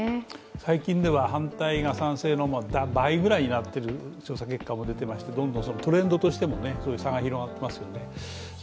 最近では反対が賛成の倍ぐらいになっている調査結果も出ていましてどんどんトレンドとしても差が広がっていますよね。